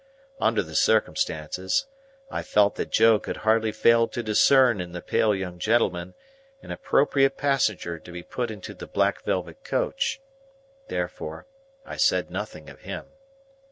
Under the circumstances, I felt that Joe could hardly fail to discern in the pale young gentleman, an appropriate passenger to be put into the black velvet coach; therefore, I said nothing of him.